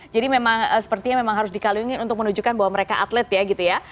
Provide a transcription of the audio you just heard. jadi memang sepertinya memang harus dikalungin untuk menunjukkan bahwa mereka atlet ya gitu ya